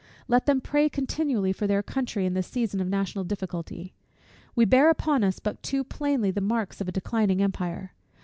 Let them pray continually for their country in this season of national difficulty. We bear upon us but too plainly the marks of a declining empire.